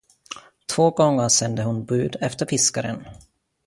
Två gånger sände hon bud efter fiskaren.